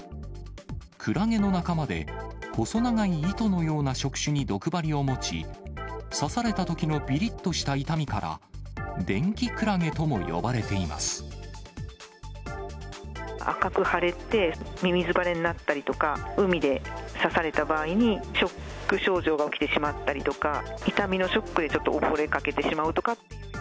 クラゲの仲間で、細長い糸のような触手に毒針を持ち、刺されたときのびりっとした痛みから、電気クラゲとも呼ばれてい赤く腫れて、みみず腫れになったりとか、海で刺された場合に、ショック症状が起きてしまったりとか、痛みのショックでちょっと溺れかけてしまうとか。